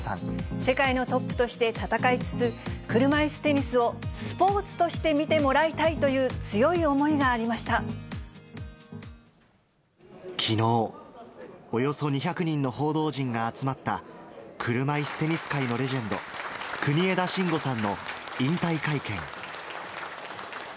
世界のトップとして戦いつつ、車いすテニスをスポーツとして見てもらいたいという強い思いがあきのう、およそ２００人の報道陣が集まった、車いすテニス界のレジェンド、国枝慎吾さんの引退会見。